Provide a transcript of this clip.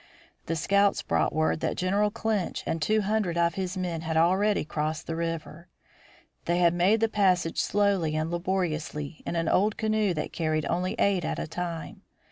The scouts brought word that General Clinch and two hundred of his men had already crossed the river. They had made the passage slowly and laboriously in an old canoe that carried only eight at a time.